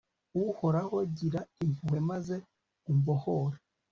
uhoraho, gira impuhwe maze umbohore